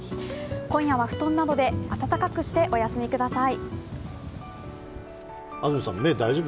今夜は布団などで暖かくしてお休みください。